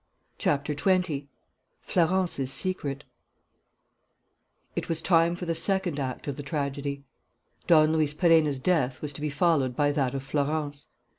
CHAPTER TWENTY FLORENCE'S SECRET It was time for the second act of the tragedy. Don Luis Perenna's death was to be followed by that of Florence.